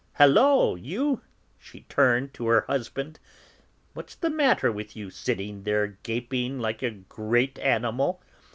"Hallo, you!" she turned to her husband, "what's the matter with you, sitting there gaping like a great animal?